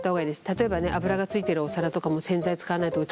例えばね油がついてるお皿とかも洗剤使わないと落ちない。